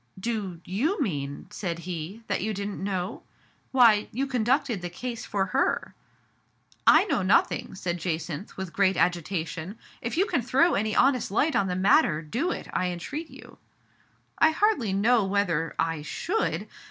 " Do you mean," said he, " that you didn't know? Why, you conducted the case for her.'' " I know nothing," said Jacynth, with great agitation. " If you can throw any honest light on the matter, do it, I entreat you." " I hardly know whether I should.